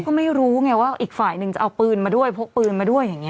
ก็ไม่รู้ไงว่าอีกฝ่ายหนึ่งจะเอาปืนมาด้วยพกปืนมาด้วยอย่างนี้